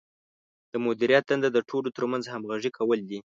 د مدیریت دنده د ډلو ترمنځ همغږي کول دي.